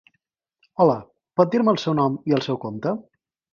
Hola, pot dir-me el seu nom i el seu compte?